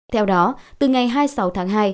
theo đó từ ngày hai mươi sáu tháng hai